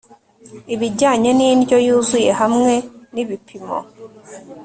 ibijyanye n'indyo yuzuye hamwe n'ibipimo